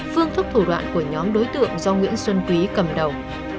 phương thức thủ đoạn của nhóm đối tượng do nguyễn xuân túy cầm đầu